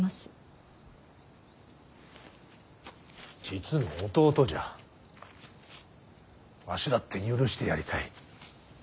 実の弟じゃわしだって許してやりたい。